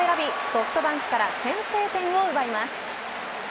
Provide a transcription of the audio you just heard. ソフトバンクから先制点を奪います。